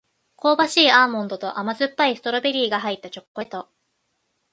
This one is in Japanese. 香ばしいアーモンドと甘酸っぱいストロベリーが入ったチョコレート